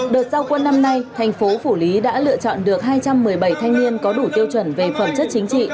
đợt giao quân năm nay thành phố phủ lý đã lựa chọn được hai trăm một mươi bảy thanh niên có đủ tiêu chuẩn về phẩm chất chính trị